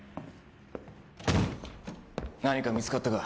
何か見つかったか？